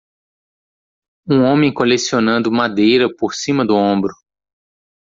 Um homem colecionando madeira por cima do ombro.